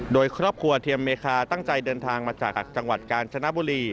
โดยครอบครัวเทียมเมคาตั้งใจเดินทางมาจากจังหวัดกาญจนบุรี